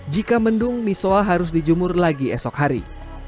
jika mendung misoa ⁇ harus dijemur lagi esok hari